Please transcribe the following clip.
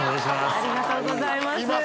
ありがとうございます。